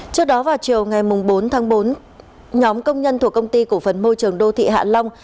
trước đó vào chiều ngày bốn tháng bốn nhóm công nhân thuộc công ty cổ phần môi trường đô thị hạ long